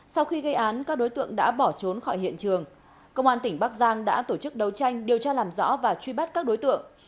sau khi gây án các đối tượng đã bỏ trốn khỏi hiện trường công an tỉnh bắc giang đã tổ chức đấu tranh điều tra làm rõ và truy bắt các đối tượng